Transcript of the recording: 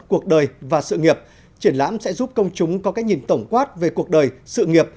cuộc đời và sự nghiệp triển lãm sẽ giúp công chúng có cái nhìn tổng quát về cuộc đời sự nghiệp